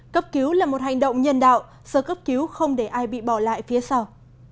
cấp cứu là một hành động nhân đạo sơ cấp cứu không để ai bị bỏ lại phía sau